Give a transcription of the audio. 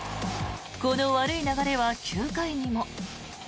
この悪い流れは９回にも。